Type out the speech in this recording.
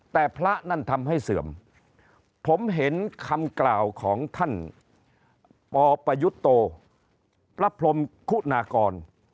แต่พระนั่นทำให้เสื่อมผมเห็นคำกล่าวของท่านปปยุทธโตพระพรมคุณากร